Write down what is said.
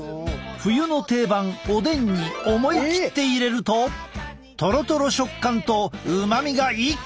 冬の定番おでんに思い切って入れるととろとろ食感とうまみが一気に楽しめる！